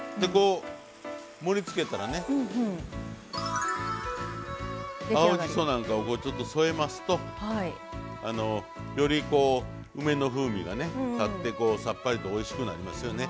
盛りつけたらね青じそなんかをちょっと添えますとより梅の風味がたってさっぱりとおいしくなりますよね。